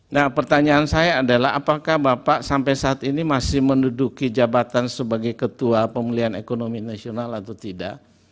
nah pertanyaan saya adalah apakah bapak sampai saat ini masih menduduki jabatan sebagai ketua pemulihan ekonomi nasional atau tidak